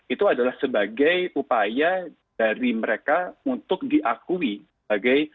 itu adalah sebagai upaya dari mereka untuk diakui sebagai